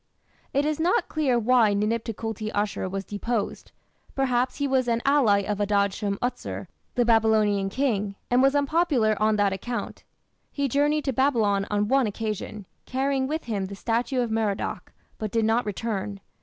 It is not clear why Ninip Tukulti Ashur was deposed. Perhaps he was an ally of Adad shum utsur, the Babylonian king, and was unpopular on that account. He journeyed to Babylon on one occasion, carrying with him the statue of Merodach, but did not return.